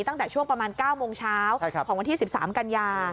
ตั้งแต่ช่วงประมาณ๙โมงเช้าของวันที่๑๓กันยา